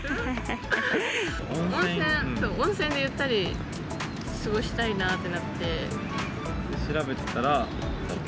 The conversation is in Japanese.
温泉でゆったり過ごしたいなってなって。